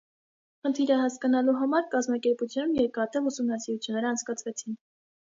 Խնդիրը հասկանալու համար կազմակերպությունում երկարատև ուսումնասիրություններ անցկացվեցին։